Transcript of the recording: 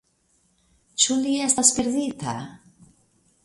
Ĉu li estis perdita?